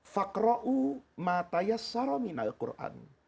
fakrou matayassaromin al quran